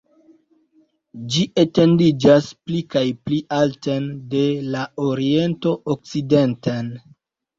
Ĝi etendiĝas pli kaj pli alten de la oriento okcidenten.